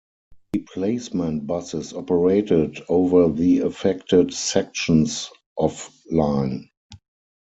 Replacement buses operated over the affected sections of line.